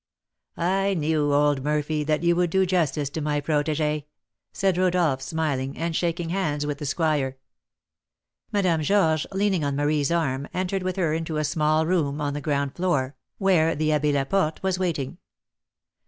"I knew, old Murphy, that you would do justice to my protégée," said Rodolph, smiling, and shaking hands with the squire. Madame Georges, leaning on Marie's arm, entered with her into a small room on the ground floor, where the Abbé Laporte was waiting.